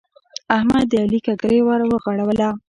احمد د علي ککرۍ ور ورغړوله.